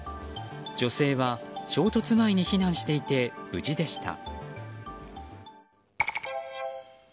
女性は衝突前に避難していて無事でした。